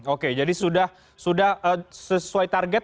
oke jadi sudah sesuai target